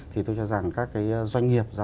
thì tôi cho rằng các cái doanh nghiệp